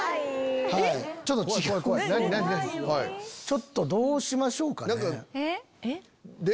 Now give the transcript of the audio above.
ちょっとどうしましょうかね。